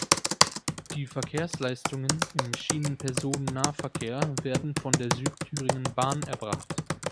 Die Verkehrsleistungen im Schienenpersonennahverkehr werden von der Süd-Thüringen-Bahn erbracht.